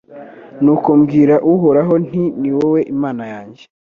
Nuko mbwira Uhoraho nti Ni wowe Imana yanjye